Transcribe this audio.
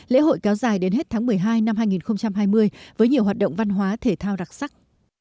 lễ hội kéo dài đến hết tháng một mươi hai năm hai nghìn hai mươi với nhiều hoạt động văn hóa thể thao đặc sắc